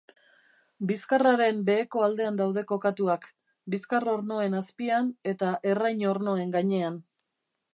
Bizkarraren beheko aldean daude kokatuak, bizkar-ornoen azpian eta errain-ornoen gainean.